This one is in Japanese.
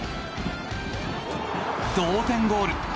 同点ゴール！